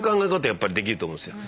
やっぱりできると思うんですよ。